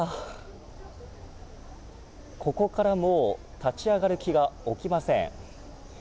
ここからもう立ち上がる気が起きません。